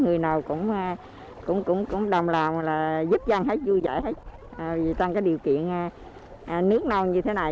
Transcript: người nào cũng đồng làm là giúp dân hết vui vẻ hết vì tăng cái điều kiện nước nông như thế này